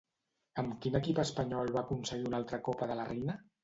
Amb quin equip espanyol va aconseguir una altra Copa de la Reina?